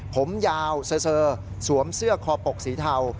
ผมยาวเซอร์สวมเสื้อคอปกสีเทา